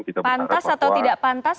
pantas atau tidak pantas